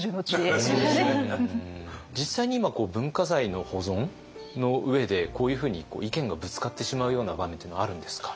実際に今文化財の保存の上でこういうふうに意見がぶつかってしまうような場面っていうのはあるんですか？